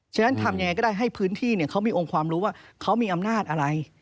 ฉะนั้นทำยังไงก็ได้ให้พื้นที่เขามีองค์ความรู้ว่าเขามีอำนาจอะไร